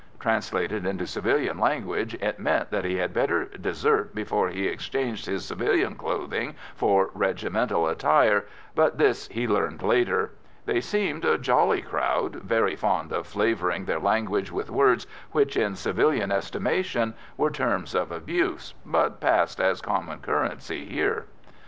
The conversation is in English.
Translated into civilian language, it meant that he had better desert before he exchanged his civilian clothing for regimental attire, but this he learned later. They seemed a jolly crowd, very fond of flavouring their language with words which, in civilian estimation, were terms of abuse, but passed as common currency here.